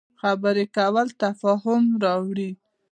خبرې کول تفاهم راوړي